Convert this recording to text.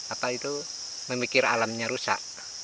apa itu memikir alamnya rusak